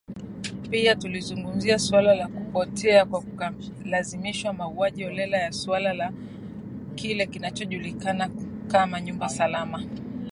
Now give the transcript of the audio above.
Pia tulizungumzia suala la kupotea kwa kulazimishwa mauaji holela na suala la kile kinachojulikana kama nyumba salama